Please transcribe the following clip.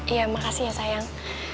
iya makasih ya sayang